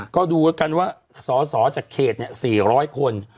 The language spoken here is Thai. ก็ดูกันว่าสอสอจากเขต๔๐๐คน